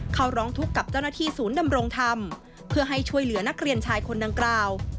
เขาร้องทุกข์กับเจ้าหน้าที่ศูนย์ดำรงธรรมเพื่อให้ช่วยเหลือนักเรียนชายคนดังกล่าว